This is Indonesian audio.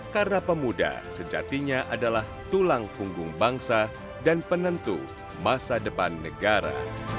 karena pemuda sejatinya adalah tulang punggung bangsa dan penentu masa depan negara